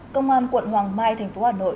công an quận hoàng mai tp hà nội